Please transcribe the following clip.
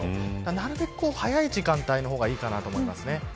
なるべく早い時間帯の方がいいと思います。